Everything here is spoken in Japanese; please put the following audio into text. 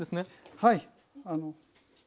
はい。